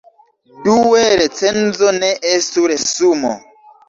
Due, recenzo ne estu resumo.